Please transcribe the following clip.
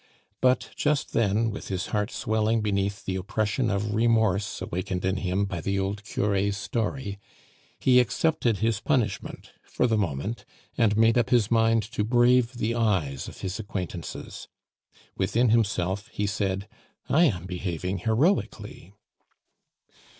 But just then, with his heart swelling beneath the oppression of remorse awakened in him by the old cure's story, he accepted his punishment for the moment, and made up his mind to brave the eyes of his acquaintances. Within himself he said, "I am behaving heroically."